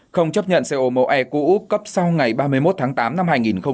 không chấp nhận co mẫu e cũ cấp sau ngày ba mươi một tháng tám năm hai nghìn hai mươi